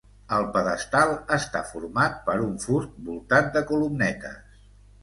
El pedestal està format per un fust voltat de columnetes.